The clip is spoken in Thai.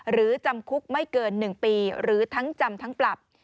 หรือจำคุกไม่เกิน๑ปีหรือทั้งจำทั้งปรับ